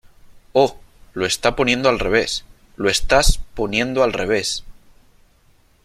Oh , lo está poniendo al revés .¡ Lo estás lo estás poniendo al revés !